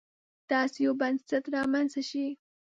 داسې یو بنسټ رامنځته شي.